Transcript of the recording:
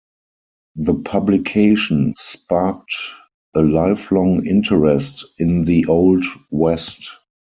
The publication sparked a lifelong interest in the Old West.